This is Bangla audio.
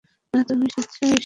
না, তুমি স্বেচ্ছায় এসেছ।